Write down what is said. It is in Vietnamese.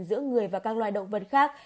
giữa người và các loài động vật khác